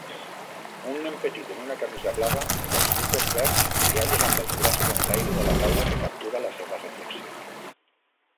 Un nen petit en una camisa blava i els micos verds rialles amb els braços en l'aire de la taula que captura la seva reflexió